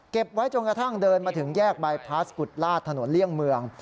ไว้จนกระทั่งเดินมาถึงแยกบายพลาสกุฎลาดถนนเลี่ยงเมือง